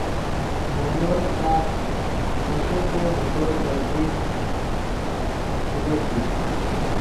مولو چاس من ݰیفے ڤے کوئے نزدیک چے لکیت